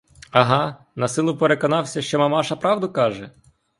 Ага, насилу переконався, що мамаша правду каже?